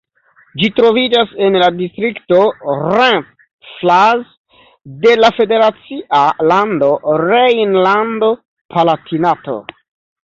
Ĝi troviĝas en la distrikto Rhein-Pfalz de la federacia lando Rejnlando-Palatinato.